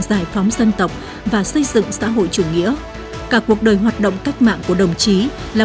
giải phóng dân tộc và xây dựng xã hội chủ nghĩa cả cuộc đời hoạt động cách mạng của đồng chí là